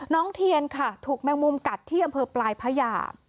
เทียนค่ะถูกแมงมุมกัดที่อำเภอปลายพญา